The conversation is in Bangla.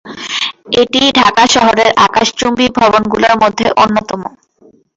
এটি ঢাকা শহরের আকাশচুম্বী ভবনগুলোর অন্যতম ভবন।